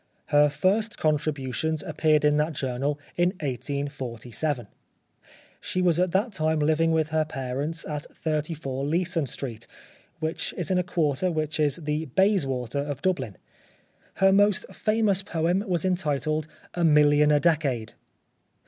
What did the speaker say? Her first contributions appeared in that journal in 1847. She was at that time living with her parents at 34 Leeson Street, which is in a quarter which is the Bayswater of Dublin. Her most famous poem was entitled " A Milhon a Decade."